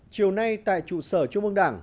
chiều nay tại trụ sở trung ương đảng